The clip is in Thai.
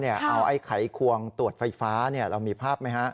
เอาไอ้ไขควงตรวจไฟฟ้าเรามีภาพไหมฮะ